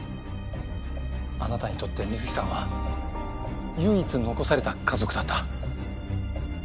あなたにとって水樹さんは唯一残された家族だった。